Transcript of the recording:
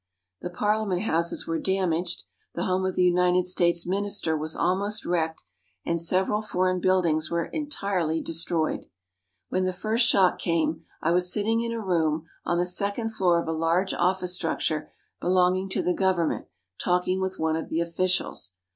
The Parlia ment Houses were damaged, the home of the United States Minister was almost wrecked, and several foreign THE ISLAND EMPIRE OF JAPAN 2/ buildings were entirely destroyed. When the first shock came, I was sitting in a room on the second floor of a large office structure, belonging to the government, talking with one of the officials.